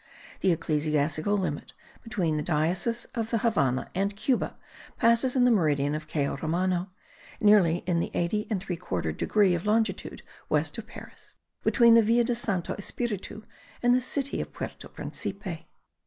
The ecclesiastical limit between the diocese of the Havannah and Cuba passes in the meridian of Cayo Romano, nearly in the 80 3/4 degree of longitude west of Paris, between the Villa de Santo Espiritu and the city of Puerto Principe.